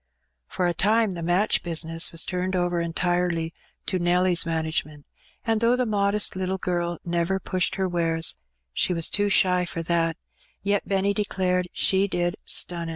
For a time the '' match business " was turned over entirely to Nelly's management; and though the modest little girl never pushed her wares — she was too shy for that — yet Benny declared she did '' stunnin'.